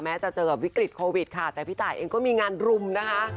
จะเจอกับวิกฤตโควิดค่ะแต่พี่ตายเองก็มีงานรุมนะคะ